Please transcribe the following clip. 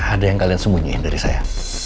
ada yang kalian sembunyiin dari saya